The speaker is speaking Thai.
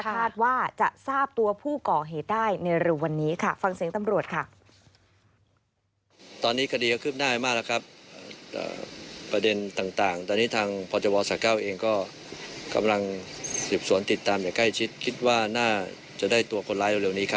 คาดว่าจะทราบตัวผู้ก่อเหตุได้ในรวมวันนี้ค่ะ